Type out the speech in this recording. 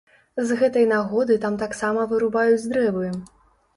З гэтай нагоды там таксама вырубаюць дрэвы.